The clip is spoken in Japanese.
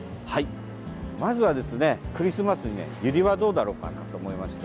まずは、クリスマスにユリはどうだろうかと思いまして。